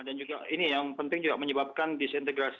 dan juga ini yang penting juga menyebabkan disintoleran